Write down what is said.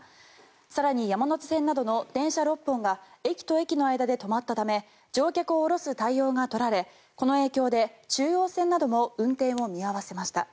更に山手線などの電車６本が駅と駅の間で止まったため乗客を降ろす対応が取られこの影響で中央線なども運転を見合わせました。